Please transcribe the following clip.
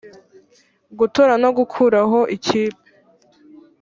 gutora no gukuraho ikipe